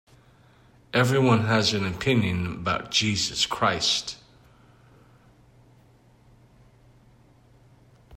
Everyone has an opinion about Jesus Christ.